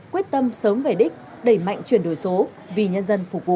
quyết tâm sớm về đích đẩy mạnh chuyển đổi số vì nhân dân phục vụ